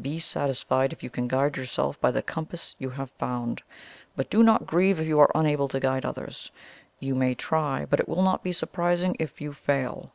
Be satisfied if you can guide yourself by the compass you have found, but do not grieve if you are unable to guide others. You may try, but it will not be surprising if you fail.